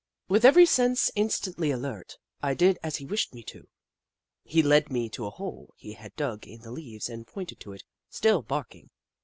With every sense instantly alert, I did as he wished me to. He led me to a hole he had dug in the leaves and pointed to it, still bark ing.